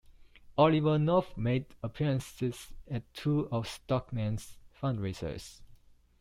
Oliver North made appearances at two of Stockman's fundraisers.